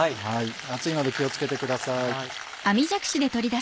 熱いので気を付けてください。